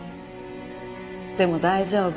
でも大丈夫。